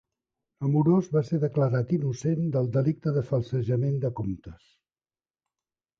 Amorós va ser declarat innocent del delicte de falsejament de comptes